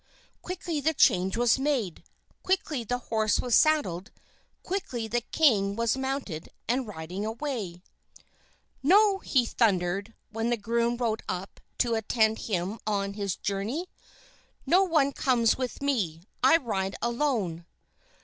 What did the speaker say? Quickly the change was made, quickly the horse was saddled, quickly the king was mounted and riding away. "No!" he thundered, when the groom rode up to attend him on his journey. "No one comes with me! I ride alone!"